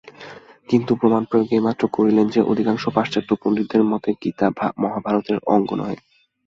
কিন্তু প্রমাণ-প্রয়োগ এইমাত্র করিলেন যে, অধিকাংশ পাশ্চাত্য পণ্ডিতের মতে গীতা মহাভারতের অঙ্গ নহে।